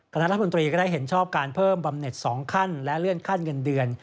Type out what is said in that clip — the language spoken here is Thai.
คณะรัฐมนตรีก็ได้เห็นชอบการเพิ่มบำเน็ต๒ขั้นและเลื่อนขั้นเงินเดือน